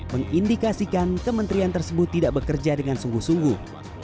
mengindikasikan kementerian tersebut tidak bekerja dengan sungguh sungguh